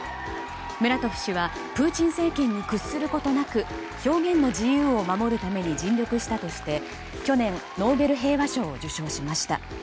ムラトフ氏はプーチン政権に屈することなく表現の自由を守るために尽力したとして去年、ノーベル平和賞を受賞しました。